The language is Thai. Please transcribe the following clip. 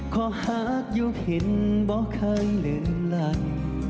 ขอหากยุคเห็นบ่เค้าเลื่อนรัก